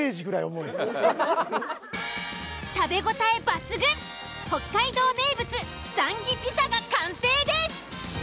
食べ応え抜群北海道名物ザンギピザが完成です！